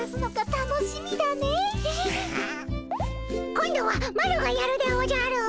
今度はマロがやるでおじゃる。